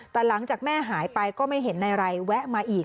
แต่หลังจากแม่หายไปก็ไม่เห็นนายไรแวะมาอีก